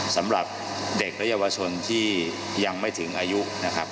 สำหรับเด็กและเยาวชนที่ยังไม่ถึงอายุนะครับ